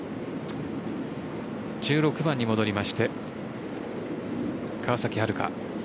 １６番に戻りまして川崎春花。